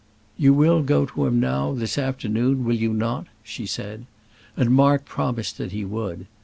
"You will go to him now, this afternoon; will you not?" she said; and Mark promised that he would.